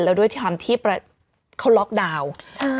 แล้วด้วยความที่เขาล็อกดาวน์